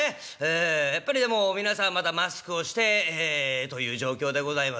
ええやっぱりでも皆さんまだマスクをしてという状況でございます。